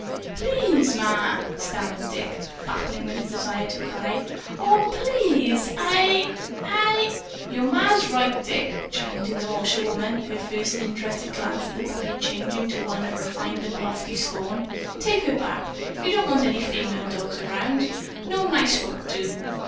"Please, Ma!" stammered Dick, battling with his desire to cry. "Aw, PLEASE! I I " "Your ma's right, Dick," chimed in the washerwoman, her first interested glance at the puppy changing to one of refined and lofty scorn. "Take her back. You don't want any female dogs around. No nice folks do."